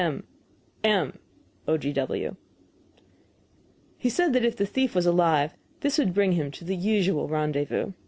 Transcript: Mum He said that if the thief was alive this would bring him to the usual rendezvous.